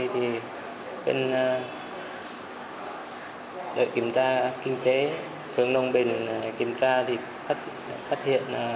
thì đội kiểm tra kinh tế phường long bình kiểm tra thì phát hiện